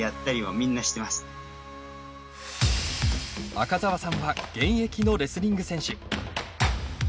赤澤さんは現役のレスリング選手。